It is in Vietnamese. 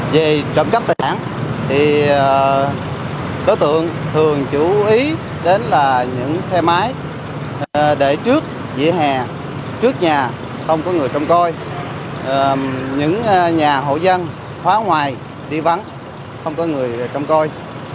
về trận cấp tài sản thì đối tượng thường chủ ý đến là những xe máy để trước dĩa hè trước nhà không có người trông coi những nhà hộ dân khóa ngoài đi vắng không có người trông coi